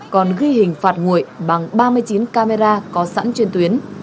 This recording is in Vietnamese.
còn ghi hình phạt nguội bằng ba mươi chín camera có sẵn trên tuyến